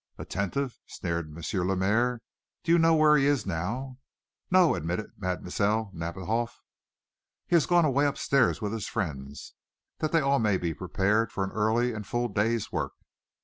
"Attentive?" sneered M. Lemaire. "Do you know where he is now?" "No," admitted Mlle. Nadiboff. "He has gone away upstairs with his friends, that they may all be prepared for an early and full day's work."